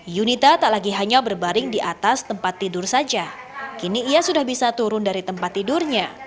yunita tak lagi hanya berbaring di atas tempat tidur saja kini ia sudah bisa turun dari tempat tidurnya